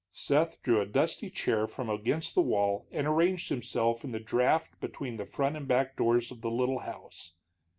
Seth drew a dusty chair from against the wall and arranged himself in the draft between the front and back doors of the little house.